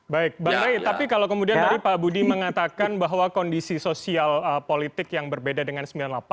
baik bang ray tapi kalau kemudian tadi pak budi mengatakan bahwa kondisi sosial politik yang berbeda dengan sembilan puluh delapan